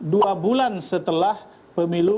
dua bulan setelah pemilu